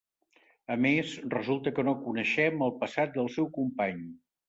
A més, resulta que no coneixem el passat del seu company.